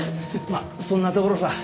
まあそんなところさ。